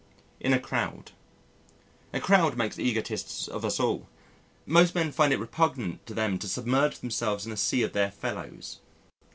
In a Crowd A crowd makes egotists of us all. Most men find it repugnant to them to submerge themselves in a sea of their fellows.